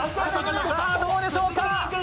さあ、どうでしょうか。